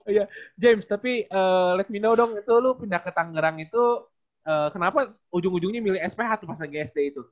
iya james tapi let me know dong itu lu pindah ke tangerang itu kenapa ujung ujungnya milih sph tuh bahasa gsd itu